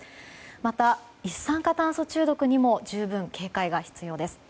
また、一酸化炭素中毒にも十分警戒が必要です。